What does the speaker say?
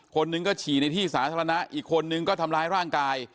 คนหนึ่งก็ฉี่ในที่สาธารณะอีกคนนึงก็ทำร้ายร่างกาย